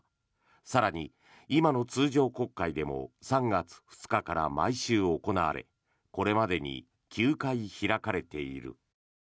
更に今の通常国会でも３月２日から毎週行われこれまでに９回開かれている。